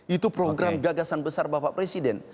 itu program gagasan besar bapak presiden